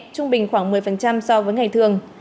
trung bình khoảng một mươi so với ngày thường